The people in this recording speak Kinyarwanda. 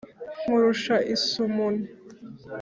nkurusha isumuni,